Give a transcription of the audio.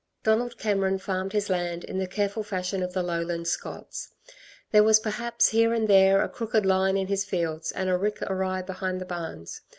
Donald Cameron farmed his land in the careful fashion of the Lowland Scots. There was perhaps here and there a crooked line in his fields and a rick awry behind the barns.